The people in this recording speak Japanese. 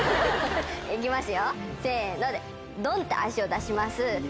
行きますよせの！でドン！って足を出します。